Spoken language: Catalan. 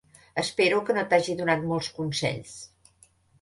Espero que no t'hagi donat molts consells.